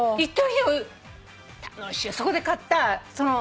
そこで買った紅葉。